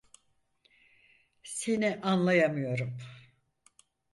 Seni anlayamıyorum.